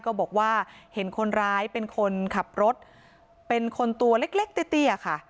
ก็บอกว่าเห็นคนร้ายเป็นคนขับรถเป็นคนตัวเล็กเตี้ยค่ะ